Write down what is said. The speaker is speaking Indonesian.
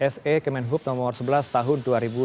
se kemenhub nomor sebelas tahun dua ribu dua puluh